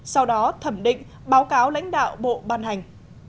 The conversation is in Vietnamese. sau đó thẩm định báo cáo lãnh đạo bộ ban hành